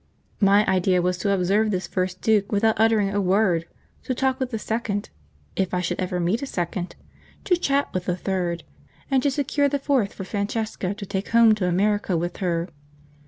My idea was to observe this first duke without uttering a word, to talk with the second (if I should ever meet a second), to chat with the third, and to secure the fourth for Francesca to take home to America with her.